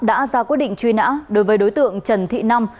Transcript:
đã ra quyết định truy nã đối với đối tượng trần thị năm